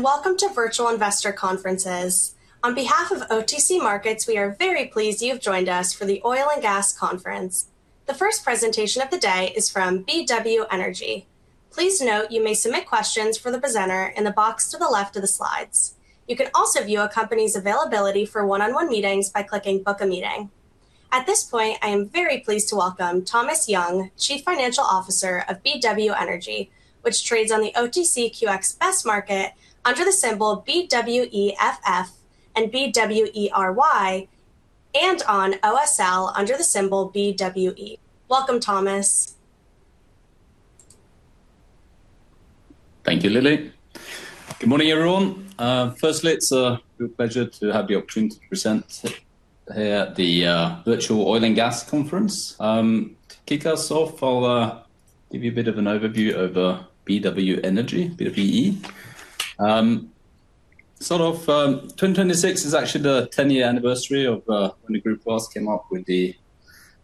Welcome to Virtual Investor Conferences. On behalf of OTC Markets, we are very pleased you have joined us for the Oil and Gas Conference. The first presentation of the day is from BW Energy. Please note you may submit questions for the presenter in the box to the left of the slides. You can also view a company's availability for one-on-one meetings by clicking "book a meeting." At this point, I am very pleased to welcome Thomas Young, Chief Financial Officer of BW Energy, which trades on the OTCQX Best Market under the symbol BWEFF and BWERY, and on OSL under the symbol BWE. Welcome, Thomas. Thank you, Lin Espey. Good morning, everyone. Firstly, it's a real pleasure to have the opportunity to present here at the Virtual Oil and Gas Conference. To kick us off, I'll give you a bit of an overview of BW Energy, BWE. Sort of 2026 is actually the 10-year anniversary of when the group first came up with the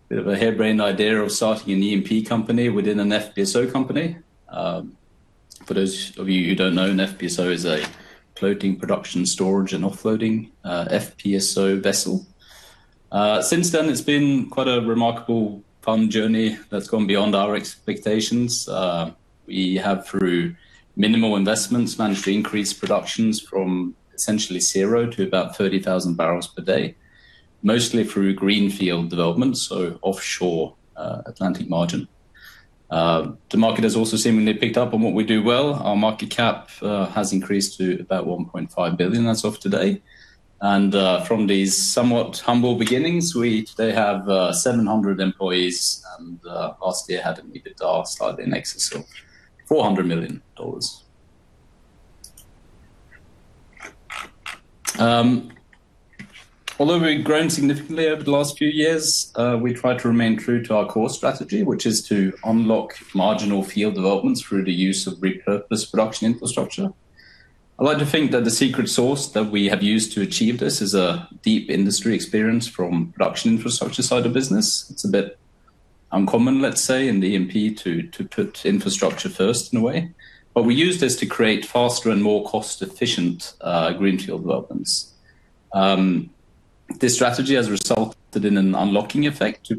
bit of a hare-brained idea of starting an E&P company within an FPSO company. For those of you who don't know, an FPSO is a floating production storage and offloading, FPSO vessel. Since then, it's been quite a remarkable fun journey that's gone beyond our expectations. We have, through minimal investments, managed to increase productions from essentially zero to about 30,000 barrels per day, mostly through greenfield developments, so offshore Atlantic margin. The market has also seemingly picked up on what we do well. Our market cap has increased to about $1.5 billion as of today. From these somewhat humble beginnings, we today have 700 employees and last year had an EBITDA slightly in excess of $400 million. Although we've grown significantly over the last few years, we try to remain true to our core strategy, which is to unlock marginal field developments through the use of repurposed production infrastructure. I'd like to think that the secret sauce that we have used to achieve this is a deep industry experience from production infrastructure side of business. It's a bit uncommon, let's say, in the E&P to put infrastructure first in a way. But we use this to create faster and more cost-efficient greenfield developments. This strategy has resulted in an unlocking effect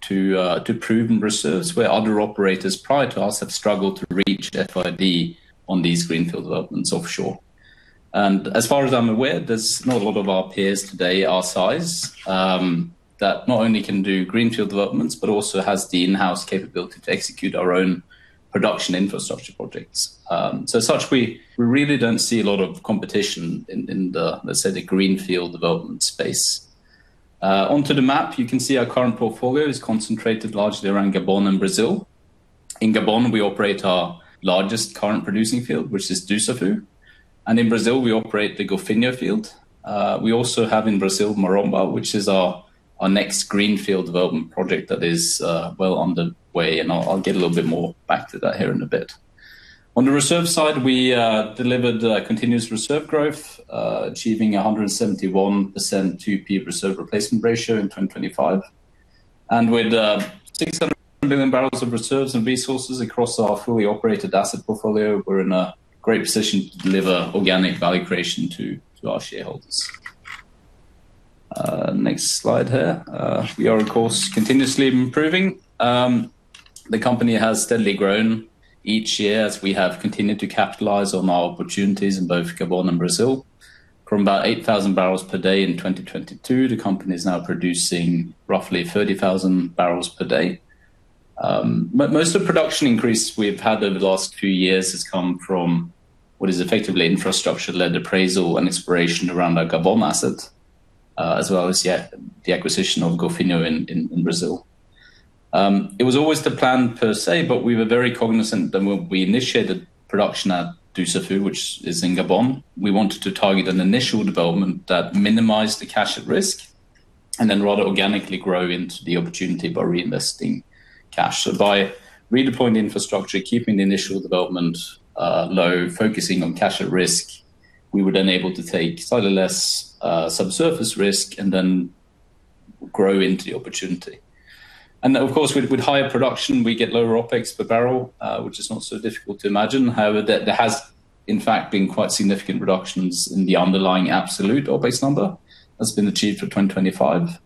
to proven reserves where other operators prior to us have struggled to reach FID on these greenfield developments offshore. As far as I'm aware, there's not a lot of our peers today our size, that not only can do greenfield developments, but also has the in-house capability to execute our own production infrastructure projects. As such, we really don't see a lot of competition in the, let's say, the greenfield development space. Onto the map. You can see our current portfolio is concentrated largely around Gabon and Brazil. In Gabon, we operate our largest current producing field, which is Dussafu. In Brazil, we operate the Golfinho field. We also have in Brazil, Maromba, which is our next greenfield development project that is well on the way, and I'll get a little bit more back to that here in a bit. On the reserve side, we delivered continuous reserve growth, achieving 171% 2P reserve replacement ratio in 2025. With 600 million barrels of reserves and resources across our fully operated asset portfolio, we're in a great position to deliver organic value creation to our shareholders. Next slide here. We are, of course, continuously improving. The company has steadily grown each year as we have continued to capitalize on our opportunities in both Gabon and Brazil. From about 8,000 barrels per day in 2022, the company is now producing roughly 30,000 barrels per day. Most of production increase we've had over the last few years has come from what is effectively infrastructure-led appraisal and exploration around our Gabon asset, as well as the acquisition of Golfinho in Brazil. It was always the plan per se, but we were very cognizant that when we initiated production at Dussafu, which is in Gabon, we wanted to target an initial development that minimized the cash at risk, and then rather organically grow into the opportunity by reinvesting cash. By redeploying the infrastructure, keeping the initial development low, focusing on cash at risk, we were then able to take slightly less subsurface risk and then grow into the opportunity. Of course, with higher production, we get lower OPEX per barrel, which is not so difficult to imagine. However, there has, in fact, been quite significant reductions in the underlying absolute or base number that's been achieved for 2025.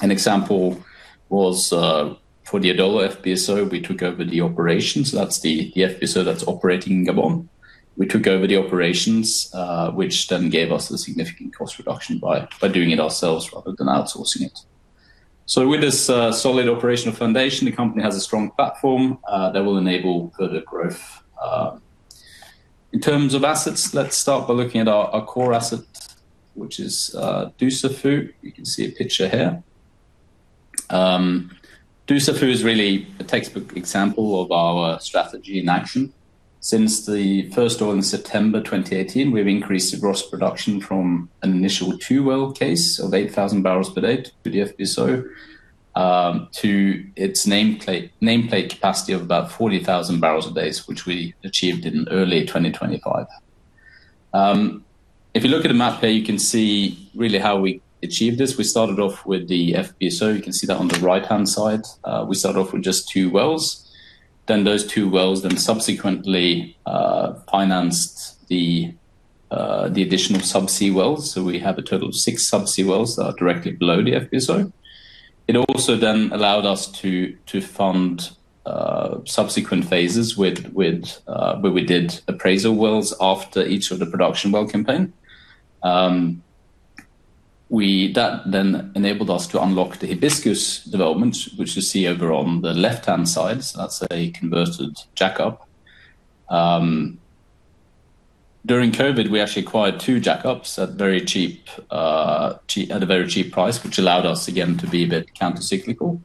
An example was for the BW Adolo, we took over the operations. That's the FPSO that's operating in Gabon. We took over the operations, which then gave us a significant cost reduction by doing it ourselves rather than outsourcing it. With this solid operational foundation, the company has a strong platform that will enable further growth. In terms of assets, let's start by looking at our core asset, which is Dussafu. You can see a picture here. Dussafu is really a textbook example of our strategy in action. Since the first oil in September 2018, we've increased the gross production from an initial two-well case of 8,000 barrels per day to the FPSO, to its nameplate capacity of about 40,000 barrels a day, which we achieved in early 2025. If you look at the map there, you can see really how we achieved this. We started off with the FPSO. You can see that on the right-hand side. We started off with just two wells, then those two wells then subsequently financed the additional subsea wells. We have a total of six subsea wells that are directly below the FPSO. It also then allowed us to fund subsequent phases where we did appraisal wells after each of the production well campaign. That then enabled us to unlock the Hibiscus development, which you see over on the left-hand side. That's a converted jack-up. During COVID, we actually acquired 2 jackups at a very cheap price, which allowed us again to be a bit counter-cyclical,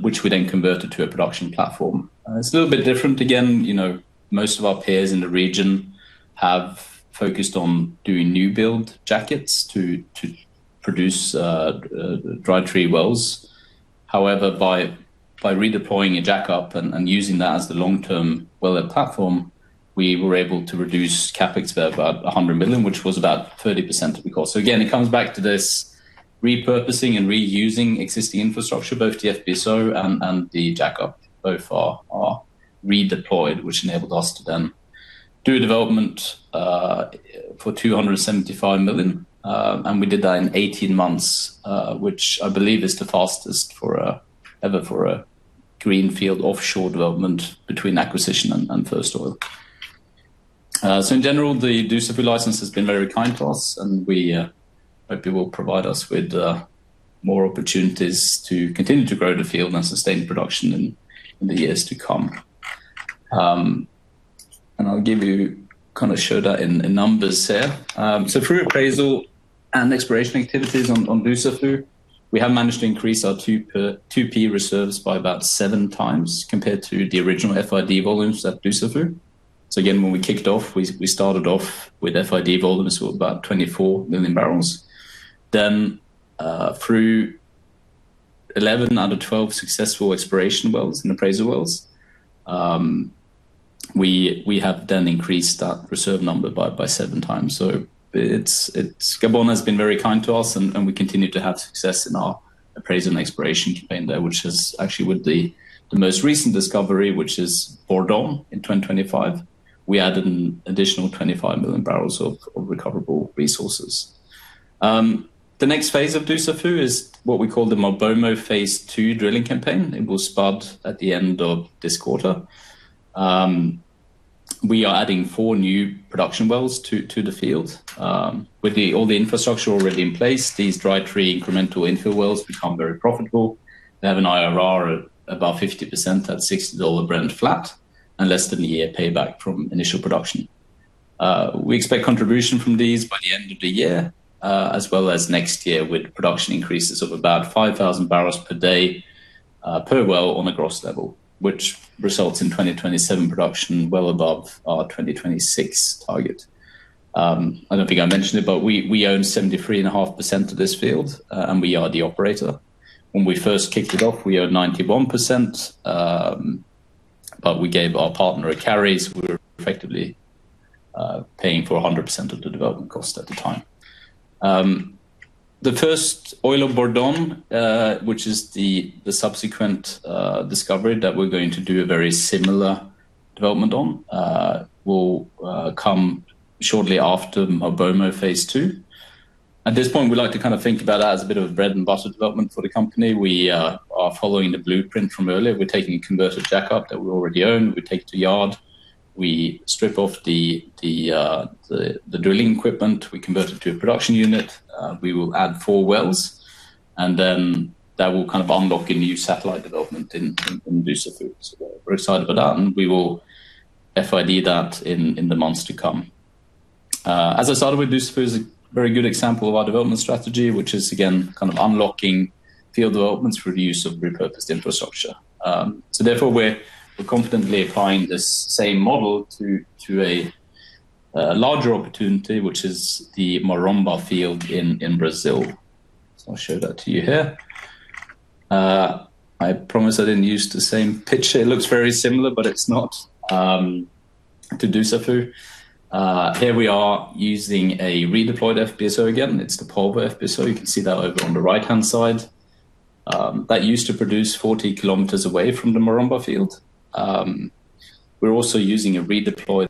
which we then converted to a production platform. It's a little bit different again. Most of our peers in the region have focused on doing new build jackets to produce dry tree wells. However, by redeploying a jackup and using that as the long-term well platform, we were able to reduce CapEx by about $100 million, which was about 30% of the cost. So again, it comes back to this repurposing and reusing existing infrastructure, both the FPSO and the jackup both are redeployed, which enabled us to then do a development for $275 million. We did that in 18 months, which I believe is the fastest ever for a greenfield offshore development between acquisition and first oil. In general, the Dussafu license has been very kind to us, and we hope it will provide us with more opportunities to continue to grow the field and sustain production in the years to come. I'll give you, kind of show that in numbers here. Through appraisal and exploration activities on Dussafu, we have managed to increase our 2P reserves by about seven times compared to the original FID volumes at Dussafu. Again, when we kicked off, we started off with FID volumes of about 24 million barrels. Through 11 out of 12 successful exploration wells and appraisal wells, we have then increased that reserve number by seven times. Gabon has been very kind to us, and we continue to have success in our appraisal and exploration campaign there, which is actually with the most recent discovery, which is Bourdon in 2025, we added an additional 25 million barrels of recoverable resources. The next phase of Dussafu is what we call the MaBoMo Phase 2 drilling campaign. It will spud at the end of this quarter. We are adding four new production wells to the field. With all the infrastructure already in place, these dry tree incremental infill wells become very profitable. They have an IRR of about 50% at $60 Brent flat and less than a year payback from initial production. We expect contribution from these by the end of the year, as well as next year with production increases of about 5,000 barrels per day per well on a gross level, which results in 2027 production well above our 2026 target. I don't think I mentioned it, but we own 73.5% of this field, and we are the operator. When we first kicked it off, we owned 91%, but we gave our partner a carry, so we were effectively paying for 100% of the development cost at the time. The first oil of Bourdon, which is the subsequent discovery that we're going to do a very similar development on, will come shortly after MaBoMo Phase 2. At this point, we like to kind of think about that as a bit of a bread and butter development for the company. We are following the blueprint from earlier. We're taking a converted jack-up that we already own. We take it to yard, we strip off the drilling equipment, we convert it to a production unit. We will add four wells, and then that will kind of unlock a new satellite development in Dussafu. We're excited about that, and we will FID that in the months to come. As I started with, Dussafu is a very good example of our development strategy, which is again, kind of unlocking field developments through the use of repurposed infrastructure. Therefore we're confidently applying this same model to a larger opportunity, which is the Maromba field in Brazil. I'll show that to you here. I promise I didn't use the same picture. It looks very similar, but it's not, to Dussafu. Here we are using a redeployed FPSO again. It's the Polvo FPSO. You can see that over on the right-hand side. That used to produce 40 km away from the Maromba field. We're also using a redeployed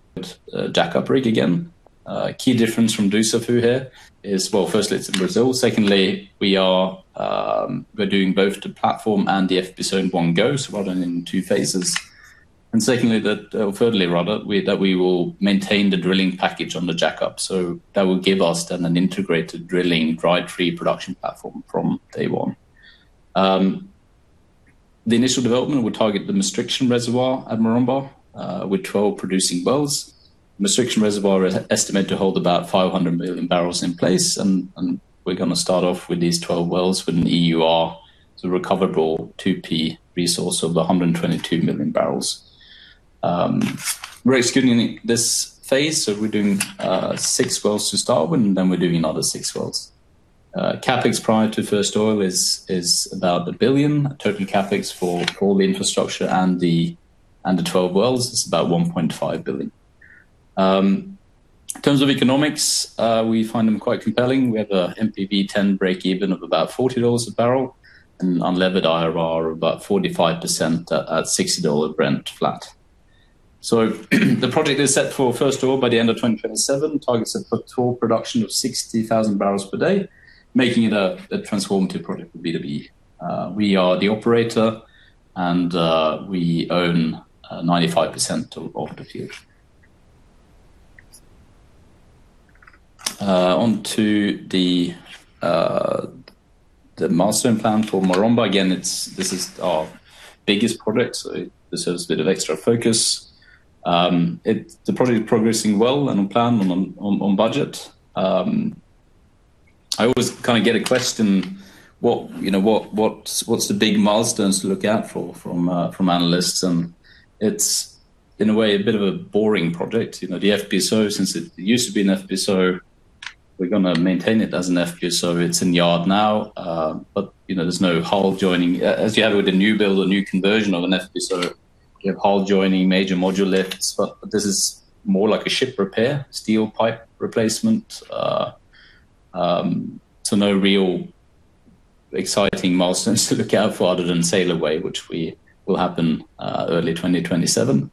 jack-up rig again. A key difference from Dussafu here is, well, firstly, it's in Brazil. Secondly, we are doing both the platform and the FPSO in one go, so we're doing it in two phases. Thirdly, that we will maintain the drilling package on the jack-up. That will give us then an integrated drilling dry tree production platform from day one. The initial development will target the Mistral reservoir at Maromba, with 12 producing wells. Mistral reservoir is estimated to hold about 500 million barrels in place, and we're going to start off with these 12 wells with an EUR, so recoverable 2P resource of 122 million barrels. We're executing this phase, so we're doing 6 wells to start with, and then we're doing another 6 wells. CapEx prior to first oil is about $1 billion. Total CapEx for all the infrastructure and the 12 wells is about $1.5 billion. In terms of economics, we find them quite compelling. We have a NPV10 breakeven of about $40 a barrel and unlevered IRR of about 45% at $60 Brent flat. The project is set for first oil by the end of 2027. Targets are for total production of 60,000 barrels per day, making it a transformative project for BW. We are the operator and we own 95% of the field. On to the milestone plan for Maromba. Again, this is our biggest project, so this has a bit of extra focus. The project is progressing well and on plan and on budget. I always get a question, what's the big milestones to look out for from analysts? It's in a way, a bit of a boring project. The FPSO since it used to be an FPSO, we're going to maintain it as an FPSO. It's in yard now, but there's no hull joining. As you have with a new build or new conversion of an FPSO, you have hull joining major module lifts. This is more like a ship repair, steel pipe replacement. No real exciting milestones to look out for other than sail away, which will happen early 2027.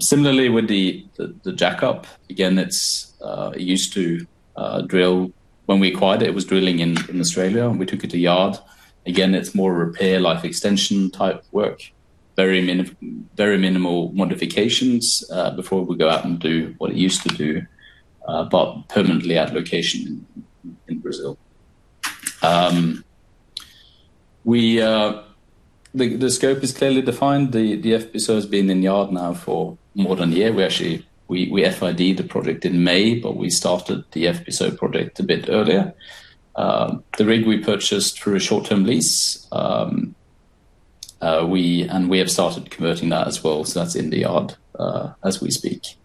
Similarly, with the jack-up, again, it used to drill. When we acquired it was drilling in Australia and we took it to yard. Again, it's more repair, life extension type work. Very minimal modifications, before it will go out and do what it used to do, but permanently at location in Brazil. The scope is clearly defined. The FPSO has been in the yard now for more than a year. We FID the project in May, but we started the FPSO project a bit earlier. The rig we purchased through a short-term lease, and we have started converting that as well. That's in the yard, as we speak.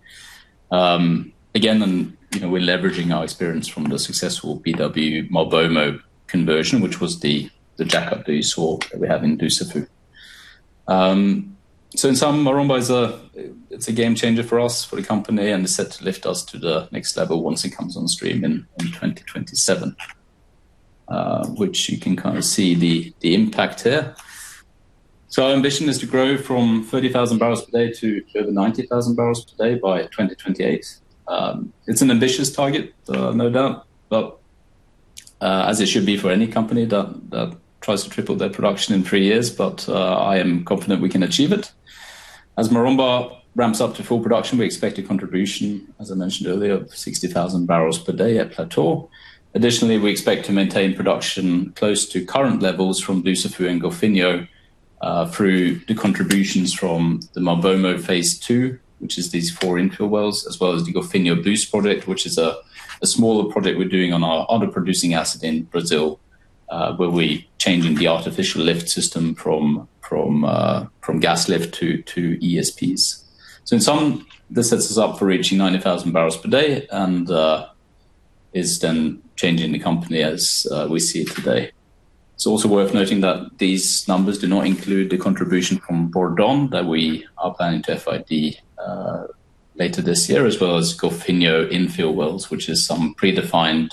Again, we're leveraging our experience from the successful BW MaBoMo conversion, which was the jack-up that you saw that we have in Dussafu. In sum, Maromba, it's a game changer for us, for the company, and is set to lift us to the next level once it comes on stream in 2027. Which you can kind of see the impact here. Our ambition is to grow from 30,000 barrels per day to over 90,000 barrels per day by 2028. It's an ambitious target, no doubt, but as it should be for any company that tries to triple their production in three years. I am confident we can achieve it. As Maromba ramps up to full production, we expect a contribution, as I mentioned earlier, of 60,000 barrels per day at plateau. Additionally, we expect to maintain production close to current levels from Dussafu and Golfinho, through the contributions from the MaBoMo phase two, which is these four infill wells, as well as the Golfinho Boost project, which is a smaller project we're doing on our other producing asset in Brazil, where we're changing the artificial lift system from gas lift to ESPs. In sum, this sets us up for reaching 90,000 barrels per day and is then changing the company as we see it today. It's also worth noting that these numbers do not include the contribution from Bourdon that we are planning to FID later this year, as well as Golfinho infill wells, which is some predefined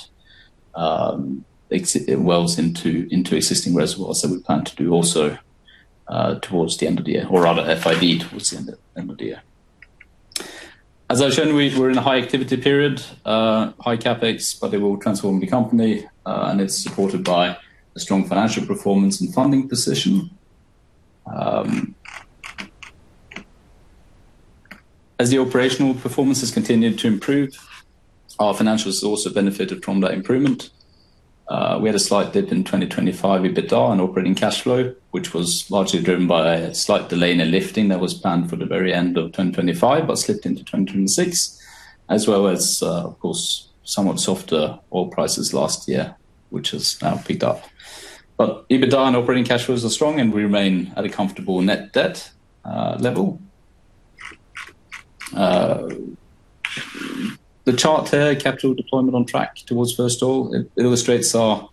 wells into existing reservoirs that we plan to do also towards the end of the year, or rather FID towards the end of the year. As I've shown, we're in a high activity period, high CapEx, but it will transform the company, and it's supported by a strong financial performance and funding position. As the operational performance has continued to improve, our financials also benefited from that improvement. We had a slight dip in 2025 EBITDA and operating cash flow, which was largely driven by a slight delay in a lifting that was planned for the very end of 2025, but slipped into 2026 as well as, of course, somewhat softer oil prices last year, which has now picked up. EBITDA and operating cash flows are strong, and we remain at a comfortable net debt level. The chart here, capital deployment on track towards first oil. It illustrates our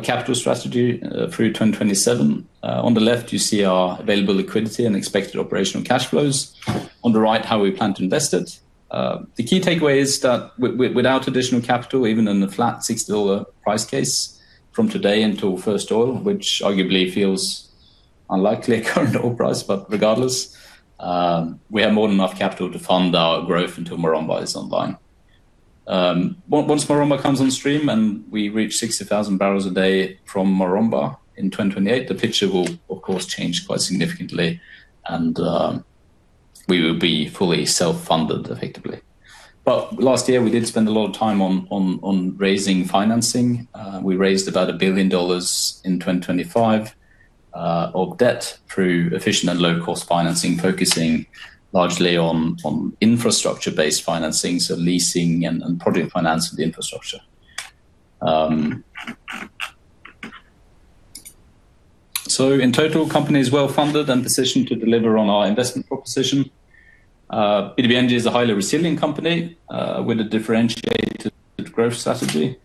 capital strategy through 2027. On the left, you see our available liquidity and expected operational cash flows. On the right, how we plan to invest it. The key takeaway is that without additional capital, even in a flat $60 price case from today until first oil, which arguably feels unlikely at current oil price, but regardless, we have more than enough capital to fund our growth until Maromba is online. Once Maromba comes on stream and we reach 60,000 barrels a day from Maromba in 2028, the picture will of course change quite significantly and we will be fully self-funded effectively. Last year we did spend a lot of time on raising financing. We raised about $1 billion in 2025 of debt through efficient and low-cost financing, focusing largely on infrastructure-based financing, so leasing and project financing the infrastructure. So in total, company is well-funded and positioned to deliver on our investment proposition. BW Energy is a highly resilient company with a differentiated growth strategy.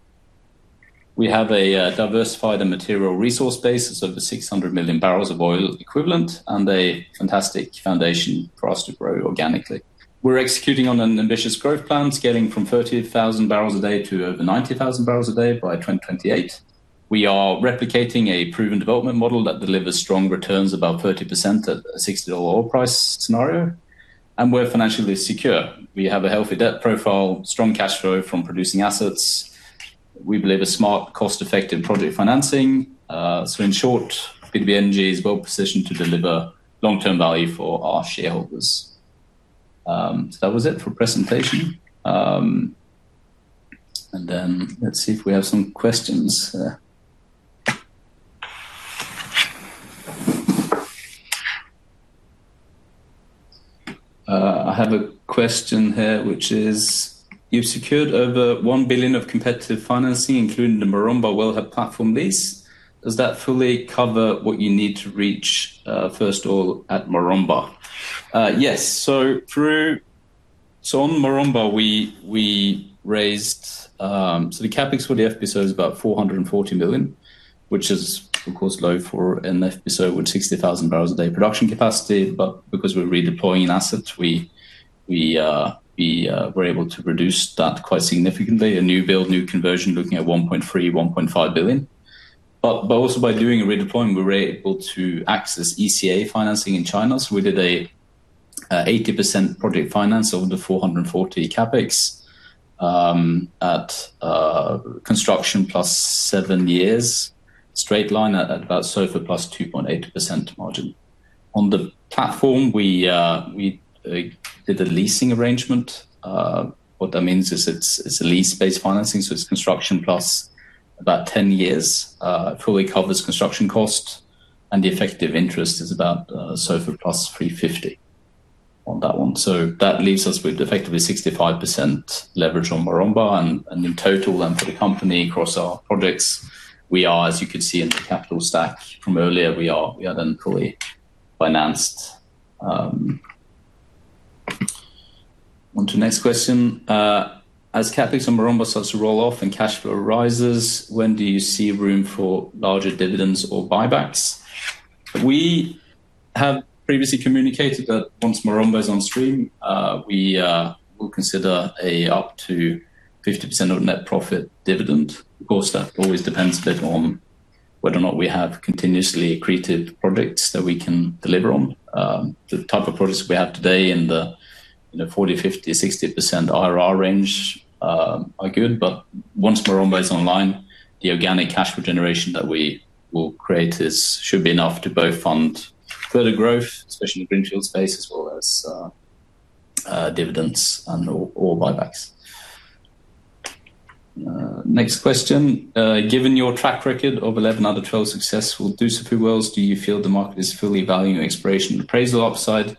We have a diversified and material resource base of over 600 million barrels of oil equivalent and a fantastic foundation for us to grow organically. We're executing on an ambitious growth plan, scaling from 30,000 barrels a day to over 90,000 barrels a day by 2028. We are replicating a proven development model that delivers strong returns above 30% at a $60 oil price scenario, and we're financially secure. We have a healthy debt profile, strong cash flow from producing assets. We believe a smart cost-effective project financing. In short, BW Energy is well positioned to deliver long-term value for our shareholders. That was it for presentation. Then let's see if we have some questions. I have a question here, which is, "You've secured over $1 billion of competitive financing, including the Marumba Wellhead Platform lease. Does that fully cover what you need to reach first oil at Maromba? Yes. On Maromba, we raised. The CapEx for the FPSO is about $440 million, which is, of course, low for an FPSO with 60,000 barrels a day production capacity. Because we're redeploying assets, we were able to reduce that quite significantly. A new build, new conversion, looking at $1.3-$1.5 billion. Also by doing a redeployment, we were able to access ECA financing in China. We did a 80% project finance over the $440 million CapEx, at construction plus seven years straight line at about SOFR plus 2.8% margin. On the platform, we did a leasing arrangement. What that means is it's a lease-based financing, so it's construction plus about 10 years. It fully covers construction cost and the effective interest is about SOFR plus 350 on that one. That leaves us with effectively 65% leverage on Maromba. In total for the company across our projects, we are, as you could see in the capital stack from earlier, we are fully financed. Onto next question. "As CapEx on Maromba starts to roll off and cash flow rises, when do you see room for larger dividends or buybacks?" We have previously communicated that once Maromba is on stream, we will consider up to 50% of net profit dividend. Of course, that always depends a bit on whether or not we have continuously accretive projects that we can deliver on. The type of projects we have today in the 40%-60% IRR range are good, but once Maromba is online, the organic cash flow generation that we will create should be enough to both fund further growth, especially in greenfield space as well as dividends and/or buybacks. Next question. "Given your track record of 11 out of 12 successful Dussafu wells, do you feel the market is fully valuing exploration appraisal upside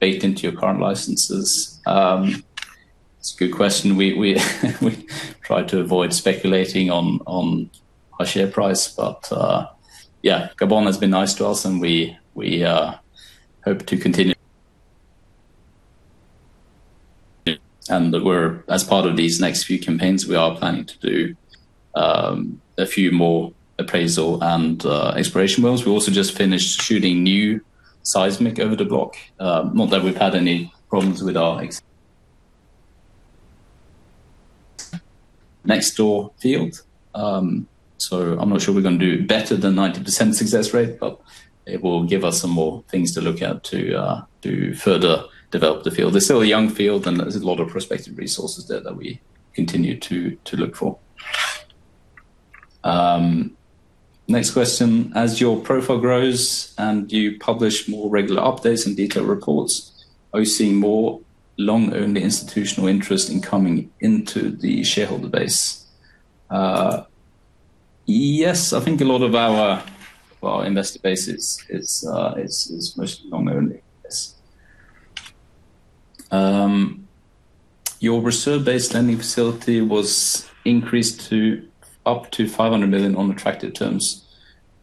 baked into your current licenses?" It's a good question. We try to avoid speculating on our share price. Yeah, Gabon has been nice to us and we hope to continue. As part of these next few campaigns, we are planning to do a few more appraisal and exploration wells. We also just finished shooting new seismic over the block. Not that we've had any problems with our next door field. I'm not sure we're going to do better than 90% success rate, but it will give us some more things to look at to further develop the field. They're still a young field and there's a lot of prospective resources there that we continue to look for. Next question. "As your profile grows and you publish more regular updates and detailed reports, are you seeing more long-only institutional interest in coming into the shareholder base?" Yes, I think a lot of our investor base is mostly long-only, yes. "Your reserve-based lending facility was increased to up to $500 million on attractive terms.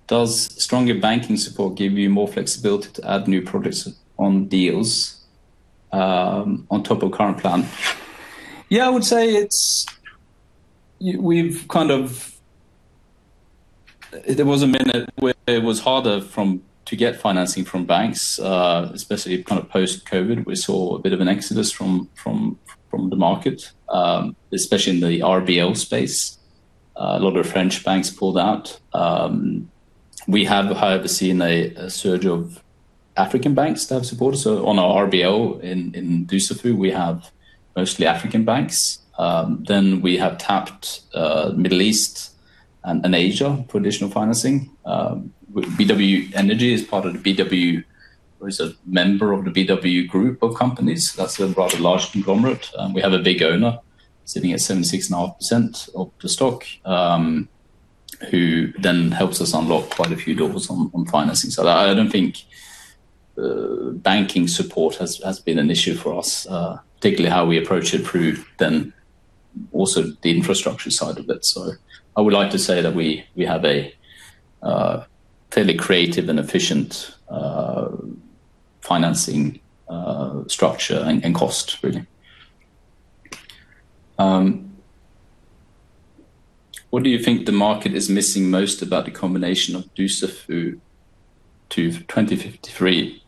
Does stronger banking support give you more flexibility to add new projects on deals, on top of current plan?" Yeah, I would say there was a minute where it was harder to get financing from banks, especially post-COVID. We saw a bit of an exodus from the market, especially in the RBL space. A lot of French banks pulled out. We have, however, seen a surge of African banks that have supported us. On our RBL in Dussafu, we have mostly African banks. We have tapped Middle East and Asia for additional financing. BW Energy is a member of the BW Group of companies. That's a rather large conglomerate, and we have a big owner sitting at 76.5% of the stock, who then helps us unlock quite a few doors on financing. I don't think banking support has been an issue for us, particularly how we approach it through them also the infrastructure side of it. I would like to say that we have a fairly creative and efficient financing structure and cost, really. What do you think the market is missing most about the combination of Dussafu to 2053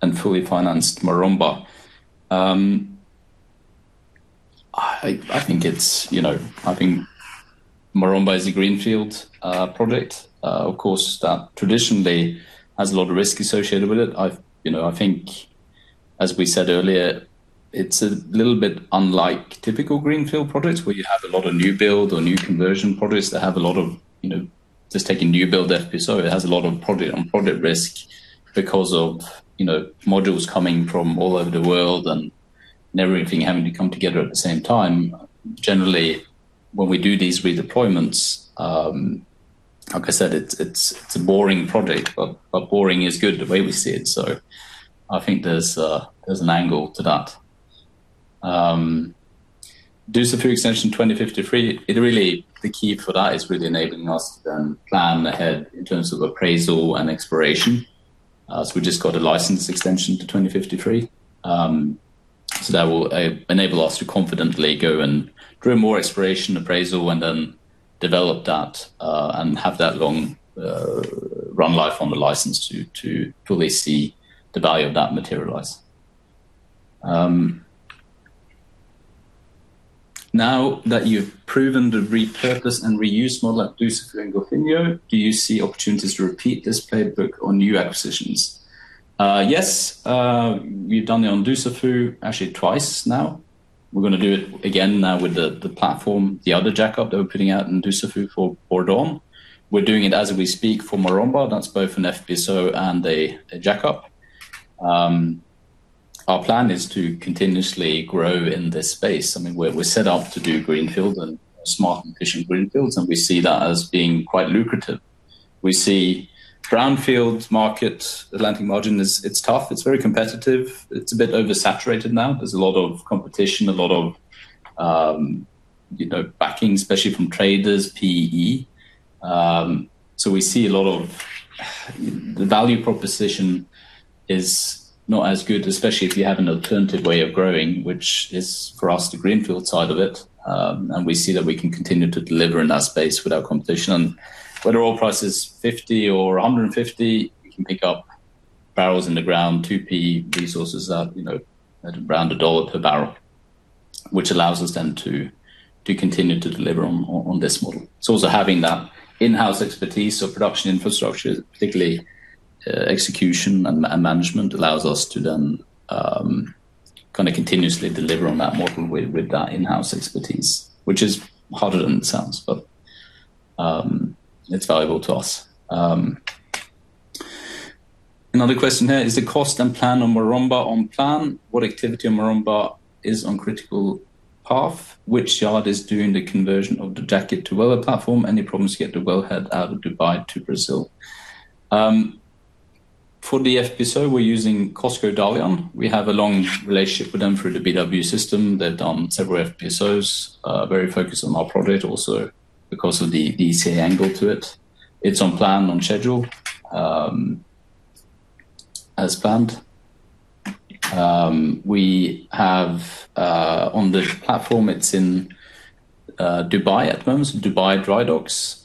and fully financed Maromba? I think Maromba is a greenfield project. Of course, that traditionally has a lot of risk associated with it. I think as we said earlier, it's a little bit unlike typical greenfield projects where you have a lot of new build or new conversion projects that have a lot of, just taking new build FPSO, it has a lot of project on project risk because of modules coming from all over the world and everything having to come together at the same time. Generally, when we do these redeployments, like I said, it's a boring project, but boring is good the way we see it. I think there's an angle to that. Dussafu extension to 2053, really the key for that is really enabling us to then plan ahead in terms of appraisal and exploration. We just got a license extension to 2053. That will enable us to confidently go and drill more exploration, appraisal, and then develop that, and have that long run life on the license to really see the value of that materialize. Now that you've proven the repurpose and reuse model at Dussafu and Golfinho, do you see opportunities to repeat this playbook on new acquisitions? Yes. We've done it on Dussafu actually twice now. We're going to do it again now with the platform, the other jack-up that we're putting out in Dussafu for Bourdon. We're doing it as we speak for Maromba. That's both an FPSO and a jack-up. Our plan is to continuously grow in this space. I mean, we're set up to do greenfield and smart and efficient greenfields, and we see that as being quite lucrative. We see brownfields market, Atlantic margin is tough. It's very competitive. It's a bit oversaturated now. There's a lot of competition, a lot of backing, especially from traders, PE. We see a lot of the value proposition is not as good, especially if you have an alternative way of growing, which is, for us, the greenfield side of it. We see that we can continue to deliver in that space without competition. Whether oil price is $50 or $150, we can pick up barrels in the ground, 2P resources that are around $1 per barrel, which allows us then to continue to deliver on this model, also having that in-house expertise. Production infrastructure, particularly execution and management allows us to then continuously deliver on that model with that in-house expertise, which is harder than it sounds. It's valuable to us. Another question here. Is the cost and plan on Maromba on plan? What activity on Maromba is on critical path? Which yard is doing the conversion of the jacket to well platform? Any problems to get the wellhead out of Dubai to Brazil? For the FPSO, we're using COSCO Dalian. We have a long relationship with them through the BW system. They've done several FPSOs, very focused on our project also because of the ECA angle to it. It's on plan, on schedule, as planned. We have on the platform, it's in Dubai at the moment, Dubai Drydocks.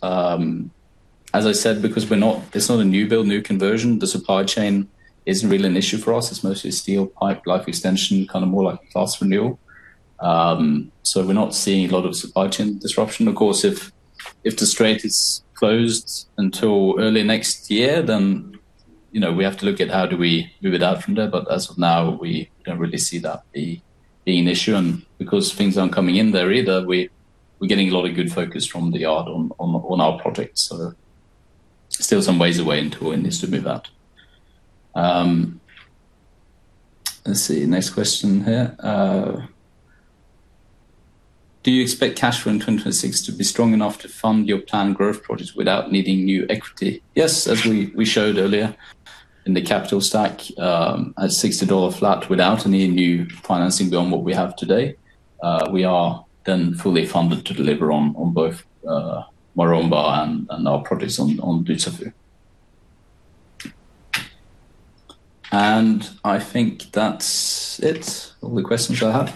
As I said, because it's not a new build, new conversion, the supply chain isn't really an issue for us. It's mostly steel pipe life extension, more like class renewal. We're not seeing a lot of supply chain disruption. Of course, if the Strait is closed until early next year, then we have to look at how do we move it out from there. As of now, we don't really see that being an issue. Because things aren't coming in there either, we're getting a lot of good focus from the yard on our projects. Still some ways away until we need to move that. Let's see. Next question here. Do you expect cash flow in 2026 to be strong enough to fund your planned growth projects without needing new equity? Yes, as we showed earlier in the capital stack, at $60 flat without any new financing beyond what we have today, we are then fully funded to deliver on both Maromba and our projects on Dussafu. I think that's it. All the questions I have